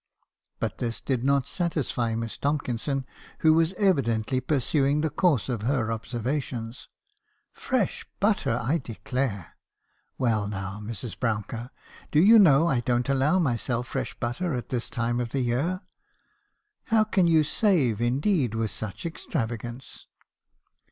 "But this did not satisfy MissTomkinson, who was evidently pursuing the course of her observations. " 'Fresh butter, I declare! Well now, Mrs. Brouncker, do you know I don't allow myself fresh butter at this time of the year? How can you save, indeed , with such extravagance